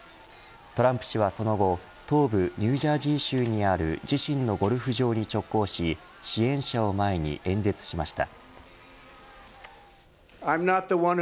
トランプ氏は、その後東部ニュージャージー州にある自身のゴルフ場に直行し支援者を前に演説しました。